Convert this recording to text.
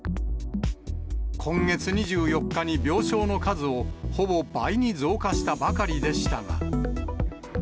今月２４日に、病床の数をほぼ倍に増加したばかりでしたが。